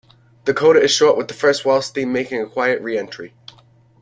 The coda is short with the first waltz theme making a quiet reentry.